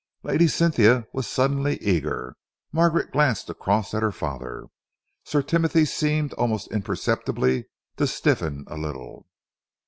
Lady Cynthia was suddenly eager. Margaret glanced across at her father. Sir Timothy seemed almost imperceptibly to stiffen a little.